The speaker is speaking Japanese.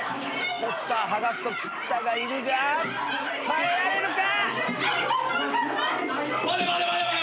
ポスター剥がすと菊田がいるが耐えられるか！？